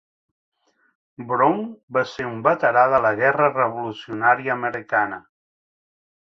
Brown va ser un veterà de la guerra revolucionària americana.